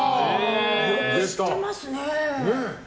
よく知ってますね。